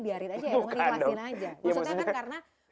biarin aja ya maksudnya kan karena